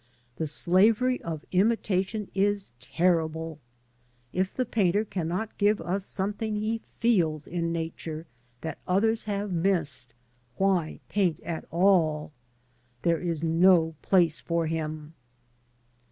The slavery of imitation is terrible. If the painter cannot give us something he feels in Nature that others have missed, why paint at all? There is no place for him.